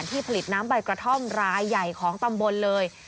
ผลิตน้ำใบกระท่อมรายใหญ่ของตำบลเลย